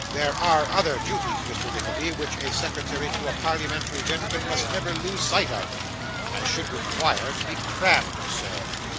There are other duties, Mr. Nickleby, which a secretary to a parliamentary gentleman must never lose sight of. I should require to be crammed, sir.